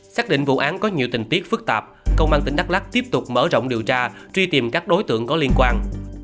xác định vụ án có nhiều tình tiết phức tạp công an tỉnh đắk lắc tiếp tục mở rộng điều tra truy tìm các đối tượng có liên quan